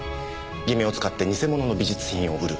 偽名を使って偽物の美術品を売る。